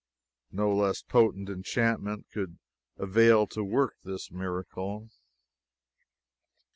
No less potent enchantment could avail to work this miracle.